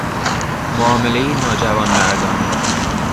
معاملهی ناجوانمردانه